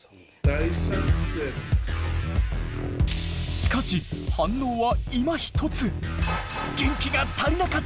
しかし反応はいまひとつ。